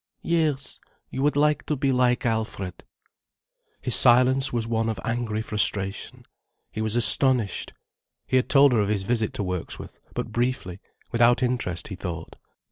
"Yes, you would like to be like Alfred." His silence was one of angry frustration. He was astonished. He had told her of his visit to Wirksworth, but briefly, without interest, he thought.